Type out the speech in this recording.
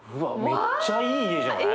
めっちゃいい家じゃない？